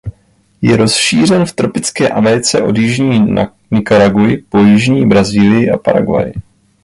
Je rozšířen v tropické Americe od jižní Nikaraguy po jižní Brazílii a Paraguay.